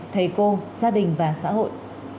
thầy cô gia đình và xã hội